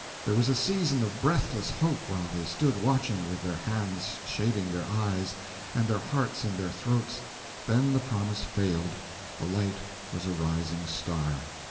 There was a season of breathless hope while they stood watching, with their hands shading their eyes, and their hearts in their throats; then the promise failed: the light was a rising star.